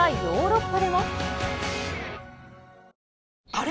あれ？